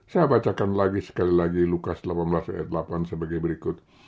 saya bacakan lagi sekali lagi lukas delapan belas ayat delapan sebagai berikut